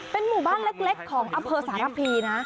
เป็นหมู่บ้านเล็กของอำเภอสารพีนะ